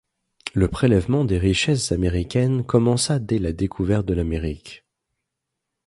Le prélèvement des richesses américaines commença dès la découverte de l'Amérique.